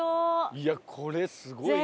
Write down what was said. いやこれすごいな。